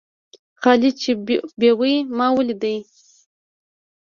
خالد چې بېوى؛ ما وليدئ.